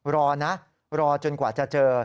รอนะรอจนกว่าจะเจอ